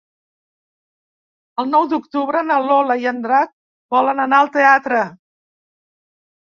El nou d'octubre na Lola i en Drac volen anar al teatre.